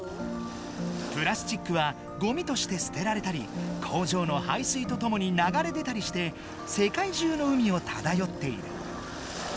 プラスチックはゴミとしてすてられたり工場の排水とともにながれ出たりして世界中の海をただよっている。